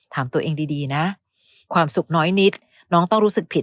ถามตัวเองดีนะความสุขน้อยนิดน้องต้องรู้สึกผิด